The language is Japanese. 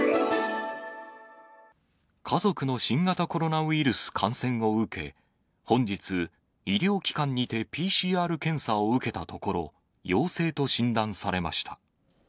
家族の新型コロナウイルス感染を受け、本日、医療機関にてＰＣＲ検査を受けたところ、陽性と診断